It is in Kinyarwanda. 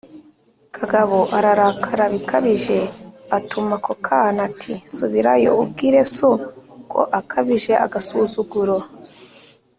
Kagabo ararakara bikabije atuma ako kana ati:” Subirayo ubwire so ko akabije agasuzuguro. “